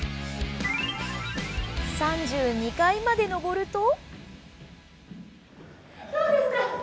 ３２階まで上ると。